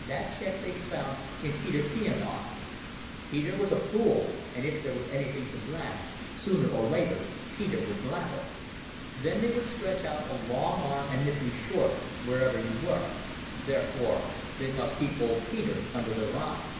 That check they found in Peter Pienaar. Peter was a fool, and if there was anything to blab, sooner or later Peter would blab it. Then they would stretch out a long arm and nip you short, wherever you were. Therefore they must keep old Peter under their eye."